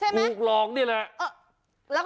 ถูกหลอกนี่แหละ